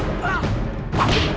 masa sejuk dibawah singkongan kami